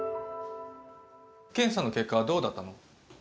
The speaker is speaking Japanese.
検査の結果、どうだったの？